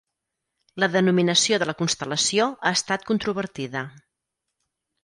La denominació de la constel·lació ha estat controvertida.